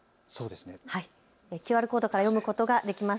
ＱＲコードから読むことができます。